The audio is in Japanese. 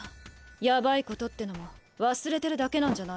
ヤバイことってのも忘れてるだけなんじゃないの？